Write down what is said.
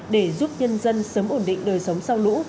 để giúp nhân dân sớm ổn định đời sống sau lũ